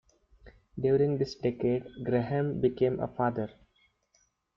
During this decade, Grahame became a father.